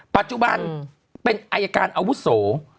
ปัจจุบันเป็นอายการอาวุโส